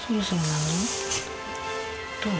どう？